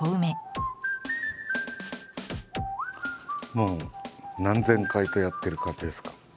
もう何千回とやってる感じですか？